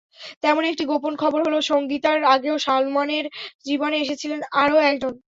তেমনিই একটি গোপন খবর হলো, সংগীতার আগেও সালমানের জীবনে এসেছিলেন আরও একজন।